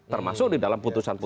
termasuk di dalam putusan putusan